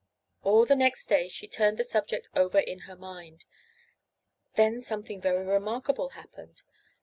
All the next day she turned the subject over in her mind. Then something very remarkable happened.